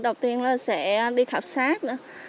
đầu tiên sẽ đi khảo sát